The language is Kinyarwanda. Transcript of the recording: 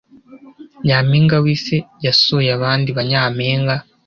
Nyampinga Wisi yasuye abandi baNyampinga